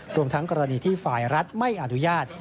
รวมทั้งกรณีที่ฝ่ายรัฐไม่อนุญาต